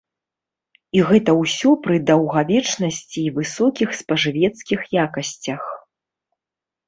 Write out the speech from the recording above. І гэта ўсё пры даўгавечнасці і высокіх спажывецкіх якасцях.